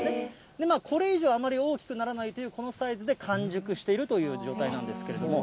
きょう以上、あまり大きくならないという、このサイズで完熟しているという状態なんですけれども。